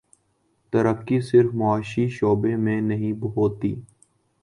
ترقی صرف معاشی شعبے میں نہیں ہوتی۔